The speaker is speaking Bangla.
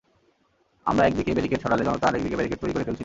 আমরা একদিকে ব্যারিকেড সরালে জনতা আরেক দিকে ব্যারিকেড তৈরি করে ফেলছিল।